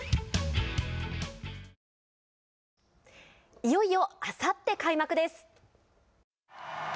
いよいよあさって開幕です。